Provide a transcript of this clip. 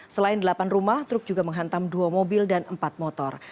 selain delapan rumah truk juga menghantam dua mobil dan empat motor